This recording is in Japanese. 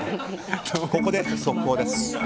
ここで速報です。